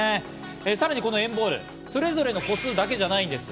さらにこの＆ＢＡＬＬ、それぞれの個数だけじゃないんです。